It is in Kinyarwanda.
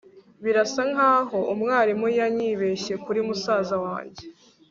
birasa nkaho mwarimu yanyibeshye kuri musaza wanjye